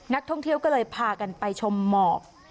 นักท่องเที่ยวก็เลยพากันไปชมหมอก